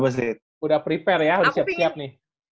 berarti udah prepare ya udah siap siap nih